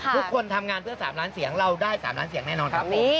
ทุกคนทำงานเพื่อ๓ล้านเสียงเราได้๓ล้านเสียงแน่นอนครับ